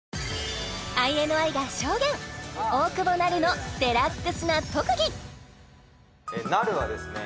ＩＮＩが証言大久保波留のデラックスな特技波留はですね